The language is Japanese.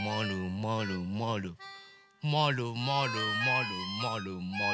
まるまるまるまるまるまるまる。